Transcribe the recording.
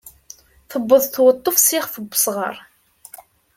Tewweḍ tweṭṭuft s ixef n usɣaṛ.